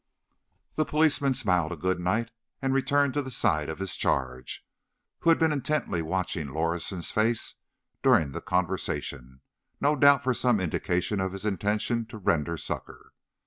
The policeman smiled a good night, and returned to the side of his charge, who had been intently watching Lorison's face during the conversation, no doubt for some indication of his intention to render succour.